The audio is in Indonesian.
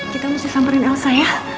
kita mesti samberin elsa ya